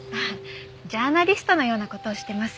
ジャーナリストのような事をしてます。